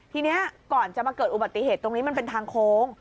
ทีนี้ก่อนจะมาเกิดอุบัติเหตุตรงนี้มันเป็นทางโค้ง